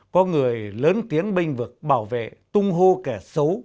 có người lớn tiếng binh vực bảo vệ tung hô kẻ xấu